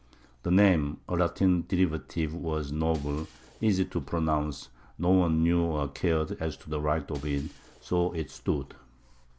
The name (a Latin derivative) was novel, easy to pronounce, no one knew or cared as to the right of it, and so it stood.